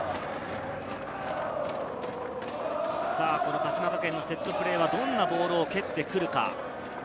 鹿島学園のセットプレーはどんなボールを蹴ってくるか？